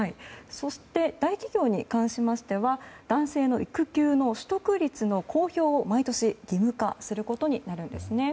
そして、大企業に関しましては男性の育休の取得率の公表を毎年義務化することになるんですね。